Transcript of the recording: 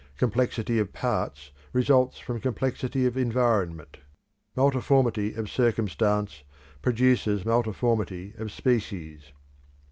Complexity of parts results from complexity of environment. Multiformity of circumstance produces multiformity of species.